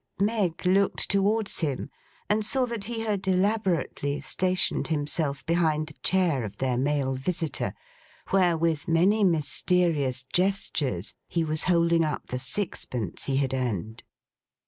Meg looked towards him and saw that he had elaborately stationed himself behind the chair of their male visitor, where with many mysterious gestures he was holding up the sixpence he had earned.